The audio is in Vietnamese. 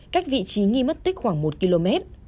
cách vị trí nghi mất tích khoảng một km